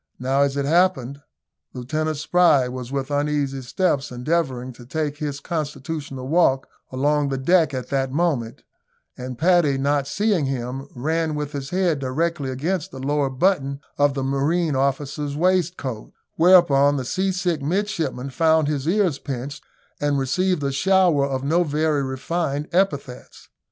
Now, as it happened, Lieutenant Spry was with uneasy steps endeavouring to take his constitutional walk along the deck at that moment, and Paddy, not seeing him, ran with his head directly against the lower button of the marine officer's waistcoat, whereon the seasick midshipman found his ears pinched, and received a shower of no very refined epithets.